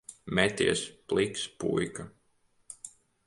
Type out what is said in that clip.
Meties pliks, puika.